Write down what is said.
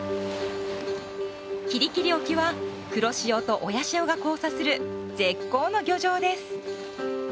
吉里吉里沖は黒潮と親潮が交差する絶好の漁場です。